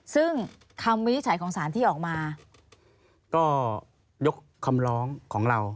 ซึ่งคำวินิจฉัยของสารที่ออกมาก็ยกคำร้องของเรา